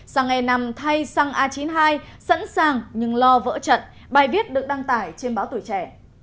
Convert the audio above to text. sáng ngày năm thay xăng a chín mươi hai sẵn sàng nhưng lo vỡ trận bài viết được đăng tải trên báo tuổi trẻ